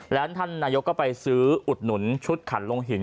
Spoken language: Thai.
แล้วท่านนายกก็ไปซื้ออุดหนุนชุดขันลงหิน